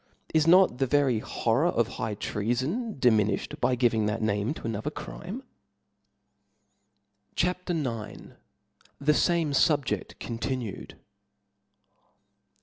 Is not the very horror of high defaifa' treafon diminilhed, by giving that name to an mneta. other crime. CHAP IX. 7 he fame SubjeSt continued.